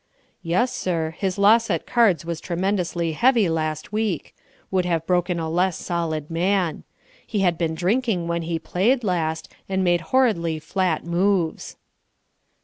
"Yes, sir; his loss at cards was tremendously heavy last week; would have broken a less solid man. He had been drinking when he played last, and made horridly flat moves."